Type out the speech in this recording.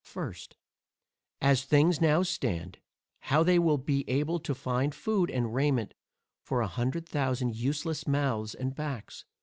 First, As things now stand, how they will be able to find food and raiment for a hundred thousand useless mouths and backs.